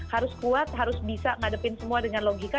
harus kuat harus bisa ngadepin semua dengan logika